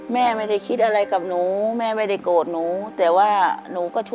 แม่ไม่ได้คิดอะไรงับหนู